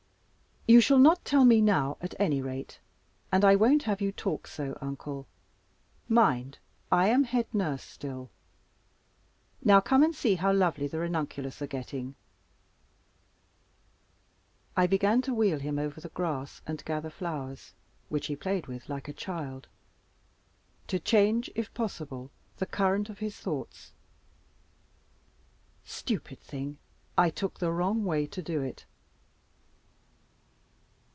"You shall not tell me now at any rate. And I won't have you talk so, uncle. Mind, I am head nurse still. Now come and see how lovely the ranunculus are getting." I began to wheel him over the grass and gather flowers (which "he played with like a child), to change, if possible, the current of his thoughts. Stupid thing! I took the wrong way to do it.